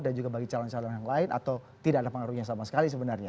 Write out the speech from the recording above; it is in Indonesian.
dan juga bagi calon calon yang lain atau tidak ada pengaruhnya sama sekali sebenarnya